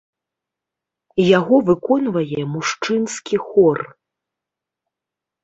Яго выконвае мужчынскі хор.